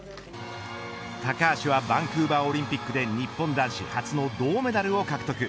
高橋はバンクーバーオリンピックで日本男子初の銅メダルを獲得。